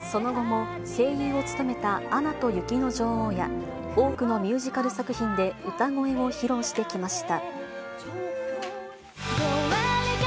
その後も声優を務めたアナと雪の女王や、多くのミュージカル作品で歌声を披露してきました。